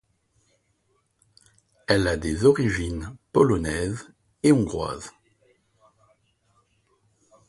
Elle a des origines polonaise et hongroise.